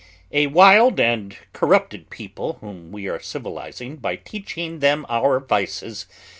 A wild and corrupted people whom we are civilising by teaching them our vices.